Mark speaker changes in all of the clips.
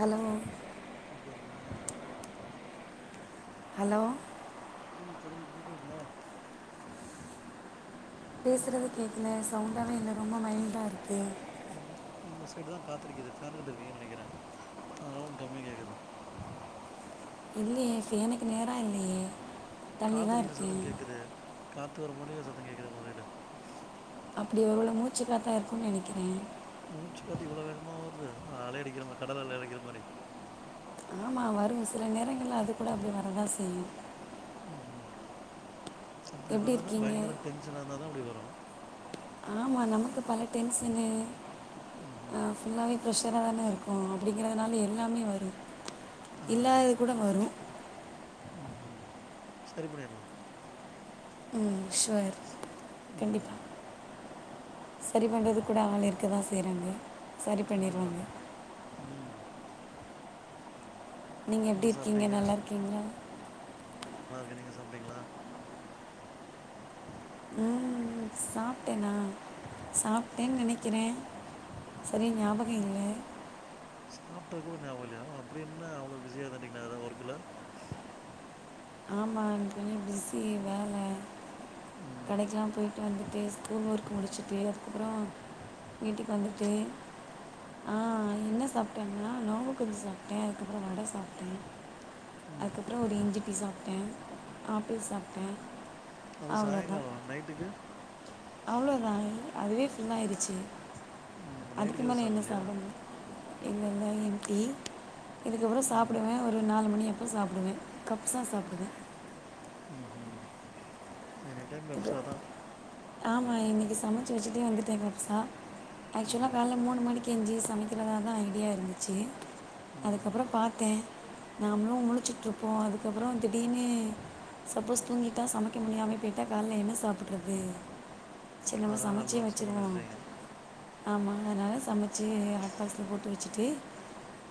Speaker 1: hello
Speaker 2: எப்டி இருக்கீங்கா
Speaker 1: hello
Speaker 2: ம் சொல்லுங்க கேக்குதுங்களா
Speaker 1: பேசுறதே கேட்கல சவுண்டாவே இல்ல ரொம்ப மைல்டா இருக்கு
Speaker 2: உங்க உங்க சைடுதா காத்தடிக்கிது ஃபேனு கிட்ட இருக்கீங்கன்னு நெனைக்கிறே அதா உங்களுக் கம்மியா கேட்குது
Speaker 1: இல்லியே ஃபேனுக்கு நேரா இல்லியே
Speaker 2: காத்தடிக்கிற சத்தோ கேட்குதே காத்து வர மாரியே சத்தம் கேட்குதே உங்க கிட்ட
Speaker 1: அப்டி ஒரு வேல மூச்சு காத்தா இருக்குனு நெனக்கிறே
Speaker 2: மூச்சு காத்து இவ்ளோ வேகமா வருது அலையடிக்கிற மாரி கடல் அலையை அடிக்கிற மாரி
Speaker 1: ஆமா வருங்க சில நேரங்கள்ல அது கூட அப்டி வரதா செய்யு
Speaker 2: ம் ம் அப்டி
Speaker 1: எப்படி
Speaker 2: வரதுன்னா
Speaker 1: இருக்கீங்க
Speaker 2: பயங்கர டென்ஷனாருந்தா தா அப்டி வரு
Speaker 1: ஆமா நமக்கு பல டென்ஷனு ஆ
Speaker 2: ம்
Speaker 1: ஃபுல்லாவே ஃப்ரெஷரா தானே இருக்கோ அப்டிங்கிறதுனால எல்லாமே வரு இல்லாதது கூட வரு
Speaker 2: ம் ம் சரிபண்ணிர்லா
Speaker 1: ம் ஷேர்
Speaker 2: ம்
Speaker 1: கண்டிப்பா சரி பண்றது கூட ஆள் இருக்கதா செய்றாங்க
Speaker 2: கண்டிப்பா ம்
Speaker 1: நீங்க எப்டி
Speaker 2: என்ன
Speaker 1: இருக்கீங்க
Speaker 2: சாப்பிட்டீங்க
Speaker 1: நல்லாருக்கீங்களா
Speaker 2: நல்லா இருக்கே நீங்க சாப்டிங்களா
Speaker 1: ம் சாப்டேன்னா சாப்டேன்னு நெனக்கிறே சரியா ஞாபகமில்ல
Speaker 2: சாப்ட்டது கூட ஞாபகோ இல்லயா அப்டி என்ன அவ்ளோ பிஸியா இதுந்துடீங்களா எதா ஒர்க்குல
Speaker 1: ஆமா கொஞ்சோ பிஸி வேல
Speaker 2: ம்
Speaker 1: கடைக்கொல்ல போய் வந்துட்டு ஸ்கூல் ஒர்க் முடிச்ட்டு அதுக்கப்றோ வீட்டுக்கு வந்துட்டு ஆ என்ன சாப்ட்டேனா நேம்பு கஞ்சி சாப்ட்டே அதுக்கப்றோ வட சாப்ட்டே
Speaker 2: ம்
Speaker 1: அதுக்கப்றோ ஒரு இஞ்சி டீ சாப்ட்டே ஆப்பிள் சாப்ட்டே
Speaker 2: அது சாயங்காலோ நைட்டுக்கு
Speaker 1: அவ்ளோதா அதுவே ஃபுல் ஆயிருச்சி
Speaker 2: ம், நம்ம
Speaker 1: அதுக்கு
Speaker 2: நைட்டுக்கு எதுவும்
Speaker 1: மேல என்ன
Speaker 2: சாப்பிட்லையா
Speaker 1: சாப்ட முடியு இல்ல இல்ல ஏன்டி இதுக்கப்றோ
Speaker 2: ம்
Speaker 1: சாப்டுவே ஒரு நாலு மணி அப்போ சாப்டுவே கப்சா சாப்டுவே
Speaker 2: ம் ஹூ வேற என்
Speaker 1: இது ஆமா இன்னக்கி சமைச்சி வச்சிட்டே வந்துட்டே வெரஷா ஆக்சுவலா
Speaker 2: ம்
Speaker 1: வேல மூணு மணிக்கு எஞ்சி சமைக்கிறதா தா ஐடியா இருந்துச்சி
Speaker 2: ம்
Speaker 1: அதுக்கப்றோ
Speaker 2: ம்
Speaker 1: பாத்தே நாமளு முழுச்சிட்ருப்போ அதுக்கப்றோ திடீர்னு சப்போஸ் தூங்கிட்டா சமைக்க முடியாமயே போயிட்டா காலைல என்ன சாப்றது சேரி நம்ம
Speaker 2: அதெல்லாம்
Speaker 1: சமச்சே
Speaker 2: அட்வான்ஸாக பண்ணி
Speaker 1: வச்சிருவோ
Speaker 2: வச்சிட்டீங்க
Speaker 1: ஆமா அதனால சமைச்சு ஆட்பாக்ல போட்டு வச்சுட்டு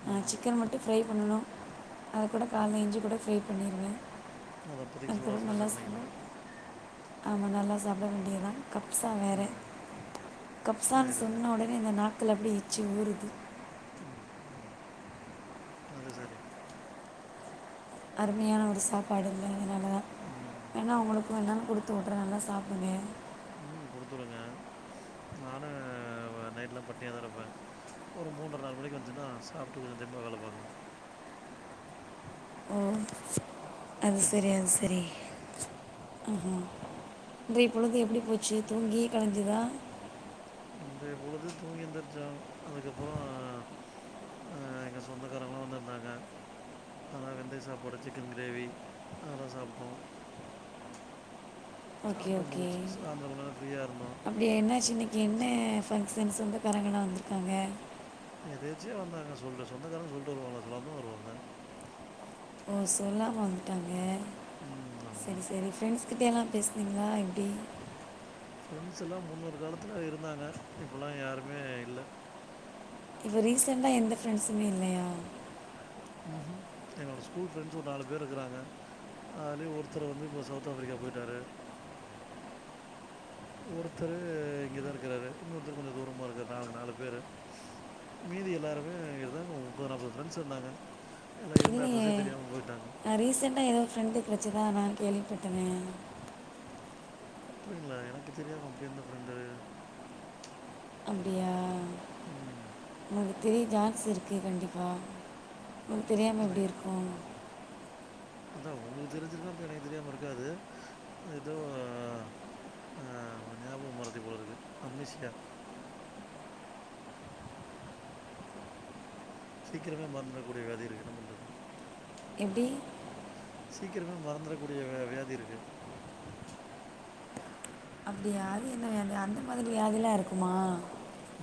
Speaker 1: அ
Speaker 2: ம்
Speaker 1: சிக்கன் மட்டு ஃப்ரை பண்ணணு அத கூட காலைல எஞ்சி கூட ஃப்ரை பண்ணிருவே
Speaker 2: அதை அப்போதைக்கு சூடாக
Speaker 1: அதுக்கப்றோ நல்லா
Speaker 2: ஃப்ரெஷ்ஷாக
Speaker 1: சம
Speaker 2: பண்ணிக்கலாம்
Speaker 1: ஆம நல்லா சாப்பிட வேண்டியதுதா கப்சா வேற
Speaker 2: ம்
Speaker 1: கப்சான்னு
Speaker 2: சரி சரி
Speaker 1: சொன்னோட னே இந்த நாக்குல அப்டியே எச்சி ஊறுது
Speaker 2: ம் ம் அது செரி
Speaker 1: அருமையான ஒரு சாப்பாடு இல்ல அதனாலதா
Speaker 2: ம்
Speaker 1: ஏனா அவங்களுக்கு எனன்ன கொடுக் போட்றாங்க சாப்டுங்க
Speaker 2: ம் குடுத்துடுங்க நானு நைட்லா பட்ணியா தா இருப்பே ஒரு மூன்ர நாலு மணிக்கி வந்துச்சின்னா சாப்ட்டு கொஞ்ச தெம்மா வேல பாக்கலா
Speaker 1: ஓ அது சரி
Speaker 2: ம்
Speaker 1: அது சரி ஆஹ இன்றைய பொழுது எப்டி போச்சி தூங்கியே கலஞ்சதா
Speaker 2: இன்றைய பொழுது தூங்கி எந்திரிச்சா அதுக்கப்பறோ ஆ எங்க சொந்தக்காரவுங்களா வந்துருந்தாங்க அதனால வெந்தய சாப்பாடு வச்சி சிக்கன் கிரேவி அதெல்லா சாப்ட்டோ
Speaker 1: ஓகே
Speaker 2: சாப்பிட்டு
Speaker 1: ஓகே
Speaker 2: முடிச்சு சாயந்தரம் கொஞ்ச நேரம் ஃப்ரீயாக இருந்தோம்
Speaker 1: அப் ஏ என்னாச்சி இன்னக்கி என்ன ஃபங்க்ஷன் சொந்தக்காரங்களா வந்துருக்காங்க
Speaker 2: எதேர்ச்சியா வந்தாங்க சொல் சொந்தக்காரங்க சொல்ட்டு வருவாங்களா சொல்லாமதா வருவாங்க
Speaker 1: ஓ சொல்லாம வந்துட்டாங்க
Speaker 2: ம்
Speaker 1: செரி
Speaker 2: ஆமாம்
Speaker 1: செரி ஃப்ரெண்ட்ஸ் கிட்ட எல்லா பேசுவீங்களா எப்டி
Speaker 2: ஃப்ரெண்ட்ஸ் எல்லா முன்னொரு காலத்துல இருந்தாங்க இப்பல்லா யாருமே இல்ல
Speaker 1: இப்ப ரீசண்ட்டா எந்த ஃப்ரெண்ட்ஸ்மே இல்லையா
Speaker 2: ம்ஹூ என்னோட ஸ்கூல் ஃப்ரெண்ட்ஸ் ஒரு நாலு பேர் இக்குறாங்க அதுலயு ஒருத்தர் வந்து இப்போ சவுத் ஆப்பிரிக்கா போயிட்டாரு ஒருத்தரு இங்க தா இருக்குறாரு இன்னொருத்தர் கொஞ்சோ தூரமாக இருக்கார் நாங்க நாலு பேர் மீதி எல்லாருமே இருந்தாங்க ஒரு முப்பது நாப்பது ஃரெண்ட்ஸ் இருந்தாங்க எல்லாம் இருந்த
Speaker 1: இல்லயே
Speaker 2: அட்ரஸே தெரியாமல் போயிட்டாங்க
Speaker 1: நா ரீசெண்டா ஏதோ ஃப்ரெண்டு கிடச்சதா நா கேள்விப்பட்டனே
Speaker 2: அப்டிங்களா எனக்கு தெரியாம அப்டி எந்த ஃப்ரெண்டு
Speaker 1: அப்டியா
Speaker 2: ம்
Speaker 1: உங்களுக்கு தெரிய சான்ஸ் இருக்கே கண்டிப்பாக உங்களுக்கு தெரியாம எப்டி
Speaker 2: எனக்கு
Speaker 1: இருக்கு
Speaker 2: அதா உங்களுக்கு தெரிஞ்சிருந்தா அப்ப எனக்கு தெரியாம இருக்காது ஏதோ ஆ ஞாபக மறதி போல இருக்கு அம்னீஷியா சீக்கிரமே மறத்திரகூடிய வியாதி இருக்கு என்ன பண்றது
Speaker 1: எப்டி
Speaker 2: சீக்கிரமே மறந்துரக்கூடிய வியாதி இருக்கு
Speaker 1: அப்டியா அது என்ன வியாதி அந்த மாதிரி வியாதில்லா இருக்குமா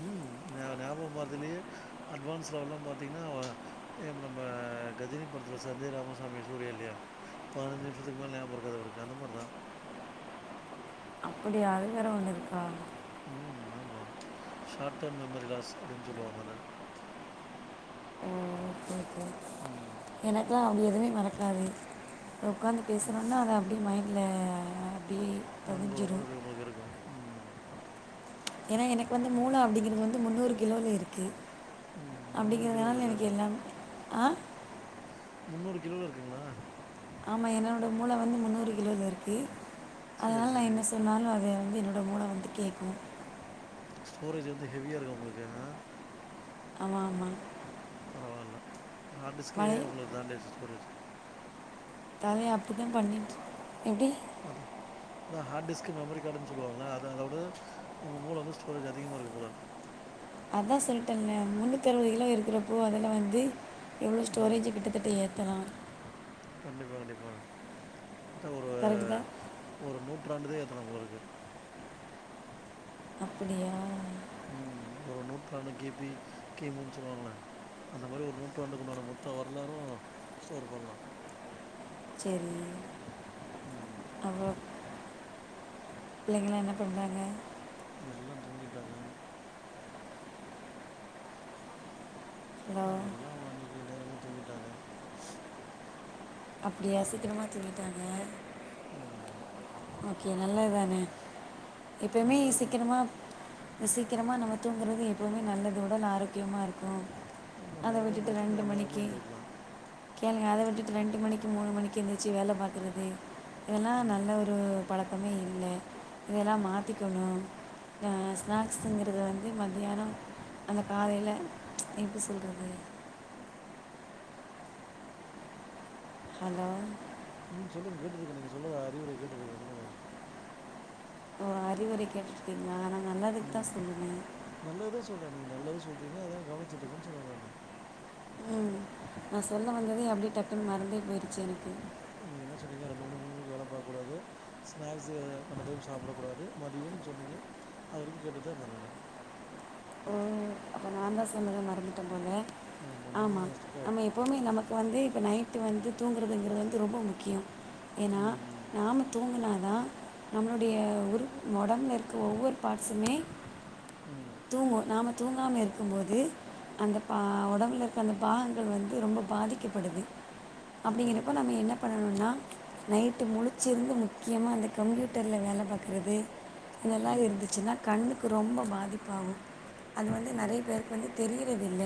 Speaker 2: ம் ஞா ஞாபக மறதிலே அட்வான்ஸ் லெவல்லா பாத்தீங்கன்னா ஏ இப்ப நம்ம கஜினி படத்துல சஞ்சய் ராமசாமி சூரியா இல்லையா பதினஞ்சி நிமிசத்துக்கு மேல நியாபகம் இருகாது அவருக்கு அந்த மாரிதா
Speaker 1: அப்டியா அதுவேற ஒன்னு இருக்கா
Speaker 2: ம் ஆமா ஷார்ட் டேம் மெமரி லாஸ் அப்டின்னு சொல்லுவாங்க அத
Speaker 1: ஓ ஓகே ஓகே
Speaker 2: ம்
Speaker 1: எனக்லா அப்டி எதுவுமே மறக்காது இப்ப உக்காந்து பேசுனோன்னா அத அப்டியே மைண்டுல அப்டியே
Speaker 2: நங்கூரம் மாரி அப்டியே உங்களுக்கு இருக்கு ம்
Speaker 1: ஏன்னா எனக்கு வந்து மூளை அப்டிங்கிறது வந்து முந்நூறு கிலோல இருக்கு
Speaker 2: ம் முந்நூறு கிலோவில்
Speaker 1: அப்டிங்குறதுனால
Speaker 2: இருக்கா
Speaker 1: எனக்கு எல்லாம் ஆ
Speaker 2: முந்நூறு கிலோல இருக்குங்களா
Speaker 1: ஆமா என்னோட மூளை வந்து முந்நூறு கிலோல இருக்கு
Speaker 2: சரி
Speaker 1: அதனால நா
Speaker 2: சரி
Speaker 1: என்ன சொன்னாலு அத அது என்னோட மூளை வந்து கேட்கு
Speaker 2: ஸ்டோரேஜ் வந்து ஹெவியா இருக்கு உங்களுக்கு அ
Speaker 1: ஆமா ஆமா
Speaker 2: பரவால்ல ஹார்ட டிஸ்கே
Speaker 1: வளைய
Speaker 2: உங்களுக்கு தாண்டே வச்சட்டு போச்சு
Speaker 1: தலைய அப்டி தா பண்ணிட்டு எப்டி
Speaker 2: அது அதா ஹார்டி ஸ்கு மெமரி கார்டுன்னு சொல்லுவாங்கள அதா அதவிட உங்க மூளை வந்து ஸ்டோரேஜ் அதிகமா இருக்கு போல
Speaker 1: அதா சொல்லிட்டேல முன்னுத் அறுவது கிலோ இருக்கிறப்போ அதில வந்து எவ்வளோ
Speaker 2: ம்
Speaker 1: ஸ்டோரேஜு கிட்டத்தட்ட ஏ தர
Speaker 2: கண்டிப்பா கண்டிப்பா மொத்த ஒரு
Speaker 1: கரெக்டு தான்
Speaker 2: ஒரு நூற்றாண்டுதே ஏத்தலா போல இருக்குது
Speaker 1: அப்டியா
Speaker 2: ம் ஒரு நூற்றாண்டு கி பி கி முன்னு சொல்லுவாங்களே அந்த மாரி ஒரு நூற்றாண்டுக்குண்டான மொத்த வரலாறு ஸ்டோர் பண்ணலா
Speaker 1: செரி அப்றோ பிள்ளைங்களா என்ன பண்றாங்க
Speaker 2: எல்லா தூங்கிட்டாங்க
Speaker 1: ஹலோ
Speaker 2: ம் எல்லா உ இன்னைக்கி நேரமே தூங்கிட்டாங்க
Speaker 1: அப்டியா சீக்கிரமா துங்கிட்டாங்க
Speaker 2: ஆம்மா
Speaker 1: ஓகே நல்லது தானே எப்பயுமே
Speaker 2: நல்லதுதான்
Speaker 1: சீக்கிரமா சீக்கிரமா நம்ம தூங்குறது எப்பவுமே நல்லது உடல் ஆரோக்கியமா இருக்கு
Speaker 2: ஆமாம்
Speaker 1: அத
Speaker 2: நேரமே
Speaker 1: விட்டுட்டு
Speaker 2: படுத்தா நே
Speaker 1: ரெண்டு
Speaker 2: நேரமே
Speaker 1: மணிக்கி
Speaker 2: எழுந்திரிக்கலாம்
Speaker 1: கேளுங்க அத விட்டுட்டு ரெண்டு மணிக்கு மூணு மணிக்கு எந்திச்சு வேல பாக்குறது இதெல்லா
Speaker 2: ம்
Speaker 1: நல்ல ஒரு பழக்கமே இல்ல இதெல்லா மாத்திக்கணு இந்த ஸ்நாக்ஸுங்கிறது வந்து மத்தியானோ அந்த காலையில எப்டி சொல்றது ஹலோ
Speaker 2: ம் சொல்லுங்க கேட்டுட்ருக்கே நீங்க சொல்லுங்க அறிவுரை கேட்டுட்ருக்கே சொல்லுங்க
Speaker 1: ஒ அறிவுரை கேட்டுருந்தீங்களா நா நல்லதுக்கு தா சொல்லுவே
Speaker 2: நல்லதுதா சொல்றீங்க நீங்க நல்லது சொல்றீங்க அதா கவனிச்சட்டுருக்கென்னு சொன்னே நானு
Speaker 1: ம் நா சொல்ல வந்ததே அப்டியே டக்குன்னு மறந்தே போயிடுச்சு எனக்கு
Speaker 2: நீங்க என்ன சொன்னீங்க ரெண்டு மணி மூணு மணிக்கு வேல பாக்கக்கூடாது ஸ்நாக்ஸ் கண்ட டைம் சாப்பிடக்க கூடாது மதியம்னு சொன்னீங்க அது வரைக்கு கேட்டுட்டு தா இருந்தே நானு
Speaker 1: அந்த சொன்னத மறந்துட்ட போல
Speaker 2: நான் ஆமாம்
Speaker 1: ஆமா
Speaker 2: நீங்கள் தான் ஸ்டக்க
Speaker 1: நம்ம எப் எப்போவுமே நமக்கு வந்து இப்போ நைட்டு வந்து தூங்குறதுங்கிறது வந்து ரொம்ப முக்கியோ ஏன்னா
Speaker 2: ம்
Speaker 1: நாம தூங்குனா தா நம்மளுடைய உறுப் ஒடம்புல இருக்க ஒவ்வொரு பார்ட்ஸூமே
Speaker 2: ம்
Speaker 1: தூங்கு நாம தூங்காம இரு க்கும் போது அந்த பா ஒடம்புல இருக்க அந்த பாகங்கள் வந்து ரொம்ப பாதிக்கப்படுது
Speaker 2: ம்
Speaker 1: அப்டிங்கறப்ப
Speaker 2: கண்டிப்பாக
Speaker 1: நம்ம என்ன பண்ணணும்ன்னா நைட்டு முழிச்சிருந்து முக்கியமா அந்த கம்ப்யூட்டருல வேல பாக்குறது இதெல்லா
Speaker 2: ம்
Speaker 1: இருந்துச்சுன்னா கண்ணுக்கு ரொம்ப பாதிப்பாகு அது வந்து நறைய
Speaker 2: ம்
Speaker 1: பேருக்கு வந்து தெரி தெரியறது இல்ல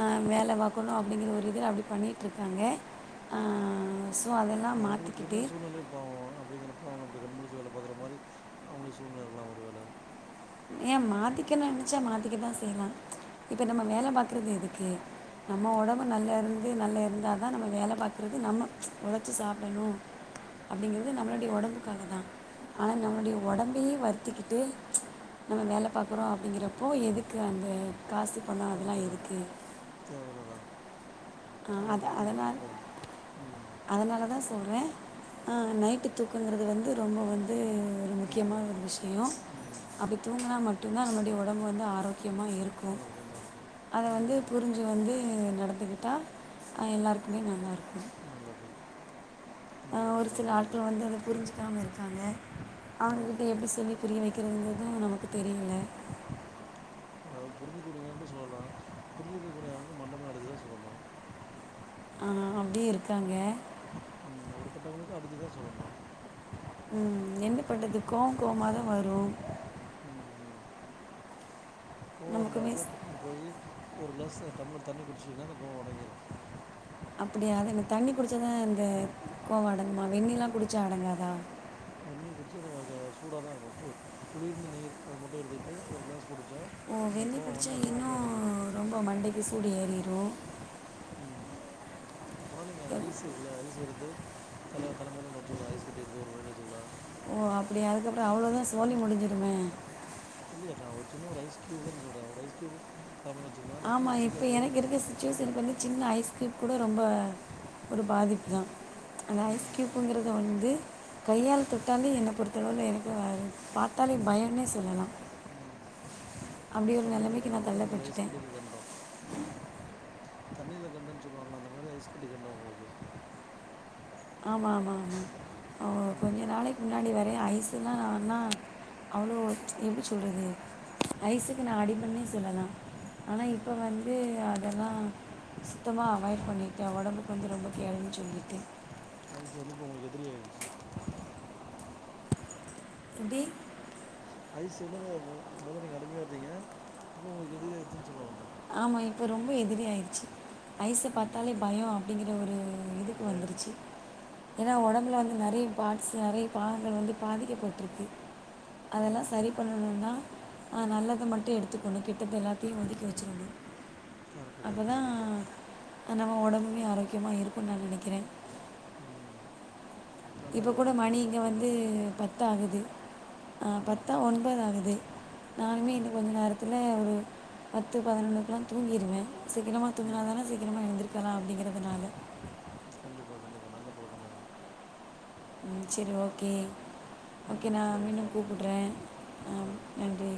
Speaker 1: ஆ வேல பாக்கணு அப்படிங்கிற ஒரு இது அப்டி பண்ணிட்டுருக்காங்க ஆ சோ அதெல்லா மாத்திக்கிட்டு
Speaker 2: [unintelligible] அப்படிங்கிறப்போ அவங்கப்படி கண் முழிச்சு வேல பாக்குற மாரி அவங்களுக்கு சூழ்நெல இருக்கலா ஒரு வேல
Speaker 1: ஏ மாத்திக்க நெனைச்சா மாத்திக்கதா செய்லா இப்ப நம்ம வேல பாக்குறது எதுக்கு நம்ம ஓடம்பு நல்லா இருந்து நல்லா இருந்தா தா நம்ம வேல பாக்குறது நம்ம ஒழச்சு சாப்டணு அப்டிங்கறது நம்மளுடைய ஒடம்புக்காக தா ஆனா நம்மளுடைய
Speaker 2: ஆமாம்
Speaker 1: ஒடம்பையே வருத்திக்கிட்டு நம்ம வேல பாக்கறோ அப்டிங்கிறப்போ எதுக்கு அந்த காசு பணம்
Speaker 2: கரக்டு
Speaker 1: அதெல்லாம்
Speaker 2: தா
Speaker 1: எதுக்கு
Speaker 2: தேவையில்ல தா
Speaker 1: ஆஹ்
Speaker 2: நம்ம
Speaker 1: அது
Speaker 2: மாத்திக்கலாம
Speaker 1: அதனால்
Speaker 2: அப்போ ம்
Speaker 1: அதனால சொல்றே ஆ நைட் தூக்கங்கறது வந்து ரொம்ப வந்து முக்கியமான
Speaker 2: முக்கியம்
Speaker 1: ஒரு விஷயோ
Speaker 2: ம்
Speaker 1: அப்டி தூங்கனா மட்டு தா நம்முடைய உடம்பு வந்து ஆரோக்கியமாக இருக் கு
Speaker 2: ஆரோக்கியமாக இருக்கும்
Speaker 1: அத வந்து
Speaker 2: ம்
Speaker 1: புரிஞ் [unintelligible] வந்து நடந்துக்கிட்டா ஆ எல்லாருக்குமே நல்லாருக்கு
Speaker 2: நல்லது
Speaker 1: ஆ
Speaker 2: நல்ல
Speaker 1: ஒரு
Speaker 2: நல்ல
Speaker 1: சில
Speaker 2: செய்தி
Speaker 1: ஆட்கள்
Speaker 2: தான்
Speaker 1: வந்து அத புரிஞ்சு யாம இருக்காங்க
Speaker 2: ம்
Speaker 1: அவங்ககிட்ட
Speaker 2: ம்
Speaker 1: எப்படி சொல்லி புரிய வைக்கிறதுங்கதும் நமக்கு தெரியல
Speaker 2: அத புரிஞ்சுக்கூடியவங்கட சொல்லலா புரிஞ்சுக்க கூடியாதவகளுக்கு மண்ட மேல அடிச்சிதா சொல்லணு
Speaker 1: ஆர் அப்படியே இருக்காங்க
Speaker 2: ம் அப்டிப்பட்டவங்களுக்கு அடிச்சுதா சொல்லணு
Speaker 1: ம் என்ன பண்றது கோம் கோமாதா வரும்
Speaker 2: ம் ம் கோவர
Speaker 1: நமக்குமே
Speaker 2: நேரத்துல டக்குன்னு போய் ஒரு கிளாஸ்லா டம்ளர் தண்ணி குடிச்சிங்கன்னா அந்த கோவோ அடங்கிரும்
Speaker 1: அப்படியா அது இந்த தண்ணி குடித்த தா இந்த கோவ அடங்குமா வெந்நிலா குடிச்ச அடங்காதா
Speaker 2: வெந்நீர் குடிச்சா த தா சூடதா இருக்கு கு குளிர்ந்து நீர் அத மட்டு எடுத்துக்கிட்டு ஒரு க்ளாஸ் குடிச்சா
Speaker 1: ஓ
Speaker 2: அந்த
Speaker 1: வெந்நி
Speaker 2: கோவோ
Speaker 1: குடித்தா
Speaker 2: வந்த கோவோ அப்டியே
Speaker 1: இன்னும்
Speaker 2: அடங்கிரும்
Speaker 1: ரொம்ப மண்டைக்கு சூடு ஏறிரு
Speaker 2: ம் அப்பனா நீங்க ஐஸ் இருக்குல ஐஸ் எடுத்து தல தலமேல ஒண்ணு வச்சக்கங்களா ஐஸ் கட்டி எத்து ஒரு [unintelligible] வச்சிக்களா
Speaker 1: ஓ அப்டி அதுக்கப்பற அவ்வளோதா சோலி முடிஞ்சுடுமே
Speaker 2: இல்லையே நா ஒரு சின்ன ஒரு ஐஸ் கியூப் தா சொல்ற ஒரு ஐஸ் கியூப் சாப்டோன்வச்சுங்ளே
Speaker 1: ஆமா இப்போ எனக்கு இருக்க சுிச்சுவேஷனுக்கு வந்து சின்ன ஐஸ் க்யூப் கூட ரொம்ப ஒரு பாதிப்பு தா அந்த ஐஸ்
Speaker 2: ம்
Speaker 1: கியூப்புங்குறது வந்து கையால தொட்டாலே என்ன பொறுத்தளவுவில எனக்கு பாத்தாலே பயம்ன்னே சொல்லலா
Speaker 2: ம் ம்
Speaker 1: அப்டி ஒரு நெலமைக்கு நா தள்ளப்பட்டுட்டே
Speaker 2: கண்டோ தண்ணியில கண்டோ சொல்லுவாங்களா அந்த மாரி ஐஸ் கட்டி கண்டோ உங்களுக்கு
Speaker 1: ஆமா ஆமா ஆமா ஓ கொஞ்ச
Speaker 2: ம்
Speaker 1: நாளைக்கு முன்னாடி வர ஐஸ்ன்னா நான்ன அவ்ளோ எப்டி சொல்றது ஐஸுக்கு நா அடிமண்ணே சொல்லலா ஆனா இப்ப
Speaker 2: ம்
Speaker 1: வந் து அதெல்லா சுத்தமா அவாய்ட் பண்ணிட்டு ஓடம்புக்கு வந்து ரொம்ப கேடுன்னு சொல்லிட்டு
Speaker 2: அது கண்டிப்பா உங்களுக்கு எதிரிய ஆயிடுச்சு
Speaker 1: எப்டி
Speaker 2: ஐஸ் சொன்னனே மொதல்ல நீங்க அடிமையா இருந்தீங்க இப்போ உங்ளுக்கு எதிரி ஆய்ச்சுன்னு சொல்ல வந்தே
Speaker 1: ஆமா இப்போ ரொம்ப எதிரி ஆய்ருச்சு ஐஸ்ஸ பாத்தாலே
Speaker 2: ம்
Speaker 1: பயோ அப்டிங்குற ஒரு இதுக்கு
Speaker 2: பயம்
Speaker 1: வந்துருச்சு ஏனா ஒடம்புல வந்து நறைய பார்ட்ஸ்ஸூ நறைய பாகங்கள் வந்து பாதிக்கப்பட்ருக்கு அதெல்லா சரி
Speaker 2: ம்
Speaker 1: பண்ணணுனா அ நல்லத மட்டு எடுத்துக்கணு கெட்டத்த எல்லாத்தையு ஒதுக்கி வச்
Speaker 2: கரெக்ட்டு கரெக்ட்டு
Speaker 1: அப்பதா
Speaker 2: கண்டிப்பா
Speaker 1: நம்ம ஒடம்புமே ஆரோக்கியமா இருக்குனு நா நெனைக்கிறே
Speaker 2: ம்
Speaker 1: இப்போ
Speaker 2: நல்லதுதா
Speaker 1: கூட
Speaker 2: நீங்க
Speaker 1: மணி
Speaker 2: சொன்னது
Speaker 1: இங்க
Speaker 2: கரெக்டானதா
Speaker 1: வந்து பத் தாகுது
Speaker 2: ம்
Speaker 1: பத்தா ஒன்பது ஆகுது நானுமே இன்னு
Speaker 2: ம்
Speaker 1: கொஞ்சோ நேரத்துல ஒரு பத்து பதினொன்னுக்லா தூங்கிடுவே சீக்கரமா
Speaker 2: ம்
Speaker 1: தூங்துனாதானா சீக்ரமா எழுந்திருக்கலா அப்டிங்றதுனால
Speaker 2: கண்டிப்பா கண்டிப்பா நல்ல பழக்கோதா அது
Speaker 1: ம் சேரி ஓகே ஓகே
Speaker 2: ம்
Speaker 1: நா
Speaker 2: சரிங்க
Speaker 1: மீண்டும்
Speaker 2: பாப்போம்
Speaker 1: கூப்புட்றே ஆ நன்றி